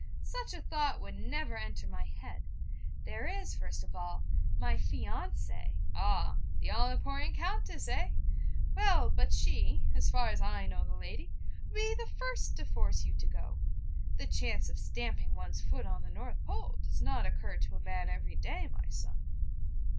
'Such a thought would never enter my head: there is, first of all, my fiancée ' 'Ah, the all important Countess, eh? Well, but she, as far as I know the lady, would be the first to force you to go. The chance of stamping one's foot on the North Pole does not occur to a man every day, my son.'